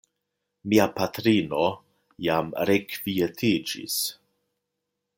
Mia patrino jam rekvietiĝis.